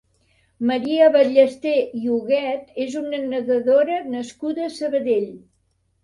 Maria Ballesté i Huguet és una nedadora nascuda a Sabadell.